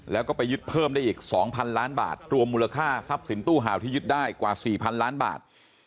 แล้วก็ไปยึดเพิ่มได้อีก๒๐๐ล้านบาทรวมมูลค่าทรัพย์สินตู้ห่าวที่ยึดได้กว่า๔๐๐๐ล้านบาท